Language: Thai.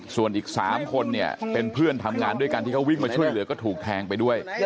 ส่วนอีก๓คนเนี่ยเป็นเพื่อนทำงานด้วยกันที่เขาวิ่งมาช่วยเหลือก็ถูกแทงไปด้วย